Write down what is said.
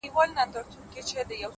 حروف د ساز له سوره ووتل سرکښه سوله-